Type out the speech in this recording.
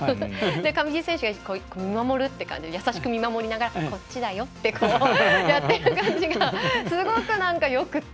上地選手が優しく見守りながらこっちだよってやってた感じがすごく、なんかよくて。